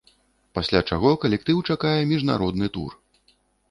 Пасля чаго калектыў чакае міжнародны тур.